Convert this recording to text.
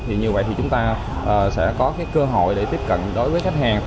thì như vậy thì chúng ta sẽ có cái cơ hội để tiếp cận đối với khách hàng